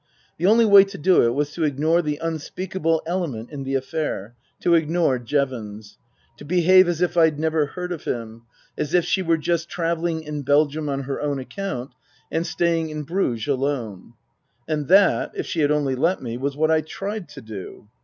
The only way to do it was to ignore the unspeakable element in the affair to ignore Jevons. To behave as if I'd never heard of him ; as if she were just travelling in Belgium on her own account and staying in Bruges alone. And that if she had only let me was what I tried to do.